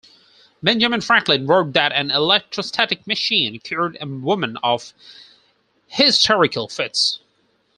Benjamin Franklin wrote that an electrostatic machine cured a woman of hysterical fits.